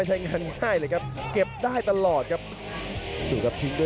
หน่อยดูครับ